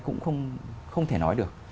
cũng không thể nói được